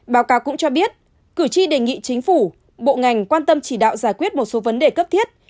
báo cáo cũng cho biết cử tri đề nghị chính phủ bộ ngành quan tâm chỉ đạo giải quyết một số vấn đề cấp thiết